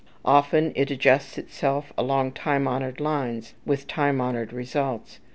Often it adjusts itself along time honoured lines, and with time honoured results.